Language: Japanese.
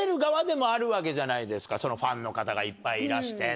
ファンの方がいっぱいいらしてとか。